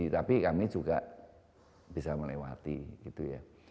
tapi kami juga bisa melewati gitu ya